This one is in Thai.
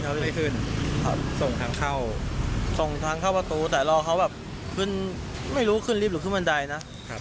เขาก็เลยขึ้นเขาส่งทางเข้าส่งทางเข้าประตูแต่รอเขาแบบขึ้นไม่รู้ขึ้นรีบหรือขึ้นบันไดนะครับ